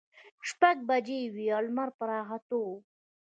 شپږ بجې وې، لمر په راختو و.